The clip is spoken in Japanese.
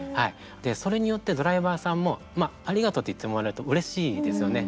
それによってドライバーさんもありがとうと言ってもらえるとうれしいですよね。